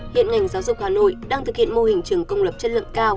hiện ngành giáo dục hà nội đang thực hiện mô hình trường công lập chất lượng cao